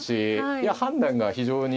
いや判断が非常に。